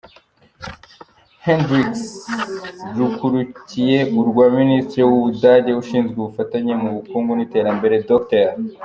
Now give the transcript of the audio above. Hendricks rukurikiye urwa Minisitiri w’u Budage ushinzwe ubufatanye mu bukungu n’iterambere, Dr.